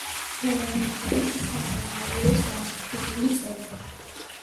დორანიტების საგვარელოს გამოჩენილი წევრი.